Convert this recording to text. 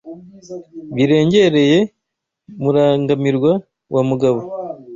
Birengereye Murangamirwa wa mugabo